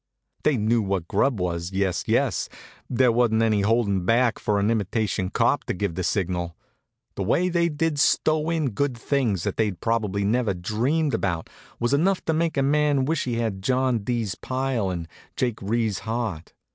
They knew what grub was, yes, yes! There wasn't any holdin' back for an imitation cop to give the signal. The way they did stow in good things that they'd probably never dreamed about before was enough to make a man wish he had John D.'s pile and Jake Riis's heart.